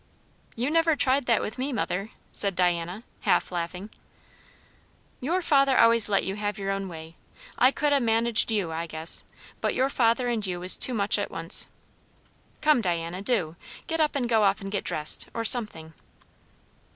"You never tried that with me, mother," said Diana, half laughing. "Your father always let you have your own way. I could ha' managed you, I guess; but your father and you was too much at once. Come, Diana do get up and go off and get dressed, or something."